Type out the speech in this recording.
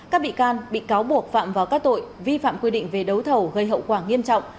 các bị can bị cáo buộc phạm vào các tội vi phạm quy định về đấu thầu gây hậu quả nghiêm trọng